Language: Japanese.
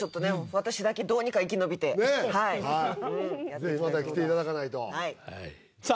私だけどうにか生き延びてはいねえぜひまた来ていただかないとはいさあ